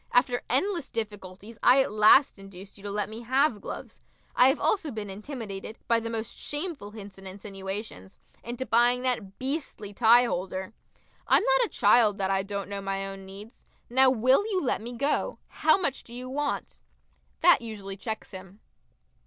After endless difficulties I at last induced you to let me have gloves. I have also been intimidated, by the most shameful hints and insinuations, into buying that beastly tie holder. I'm not a child that I don't know my own needs. Now will you let me go? How much do you want?" That usually checks him.